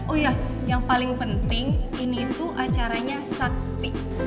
oh iya yang paling penting ini tuh acaranya sakti